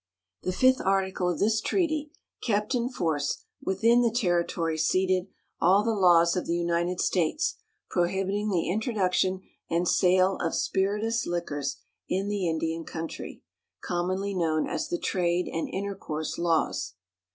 The fifth article of this treaty kept in force, within the territory ceded, all the laws of the United States prohibiting the introduction and sale of spirituous liquors in the Indian country, commonly known as the trade and intercourse laws.